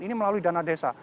ini melalui dana desa